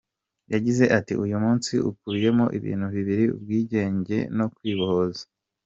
Yagize ati “Uyu munsi ukubiyemo ibintu bibiri : Ubwingenge no kwibohoza.